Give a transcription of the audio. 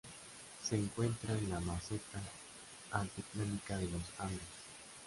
Se encuentra en la meseta altiplánica de los Andes.